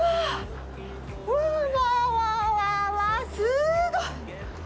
うわわわわ、すごい。